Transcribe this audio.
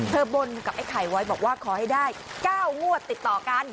บนกับไอ้ไข่ไว้บอกว่าขอให้ได้๙งวดติดต่อกัน